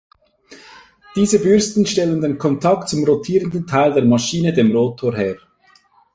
Diese Bürsten stellen den Kontakt zum rotierenden Teil der Maschine, dem Rotor, her.